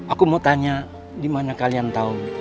aku mau tanya dimana kalian tau